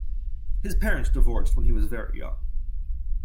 His parents divorced when he was very young.